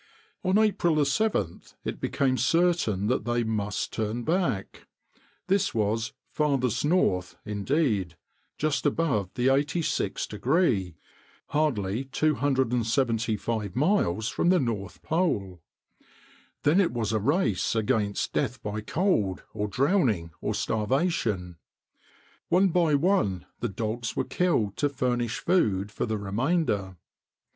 On April 7th it became certain that they must turn back. This was "farthest north," indeed—just above the 86th degree, hardly 275 miles from the North Pole. Then it was a race against death by cold, or drowning, or starvation. One by one the dogs were killed to furnish food for the remainder.